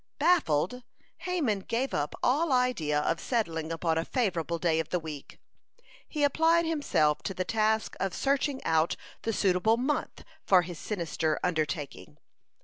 (107) Baffled, Haman gave up all idea of settling upon a favorable day of the week. He applied himself to the task of searching out the suitable month for his sinister undertaking.